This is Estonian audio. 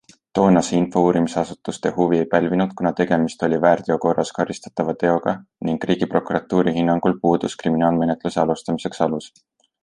Toona see info uurimisasutuste huvi ei pälvinud, kuna tegemist oli väärteokorras karistatava teoga ning riigiprokuratuuri hinnangul puudus kriminaalmenetluse alustamiseks alus.